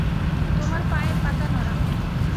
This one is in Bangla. তোমার পায়ের পাতা নাড়াও।